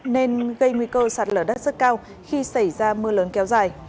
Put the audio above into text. nên gây nguy cơ sạt lở đất rất cao khi xảy ra mưa lớn kéo dài